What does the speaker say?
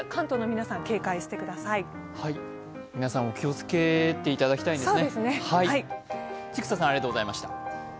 皆さん、お気をつけていただきたいですね。